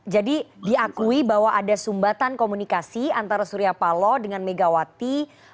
jadi diakui bahwa ada sumbatan komunikasi antara suryapaloh dengan mega wati